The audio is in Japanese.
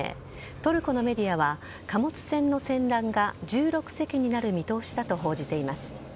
トルコのメディアは貨物船の船団が１６隻になる見通しだと報じています。